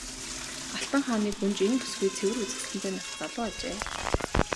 Алтан хааны гүнж энэ бүсгүй цэвэр үзэсгэлэнтэй нас залуу ажээ.